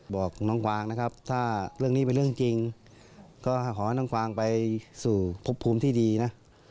บอกน้องกวางนะครับถ้าเรื่องนี้เป็นเรื่องจริงก็ขอให้น้องกวางไปสู่พบภูมิที่ดีนะ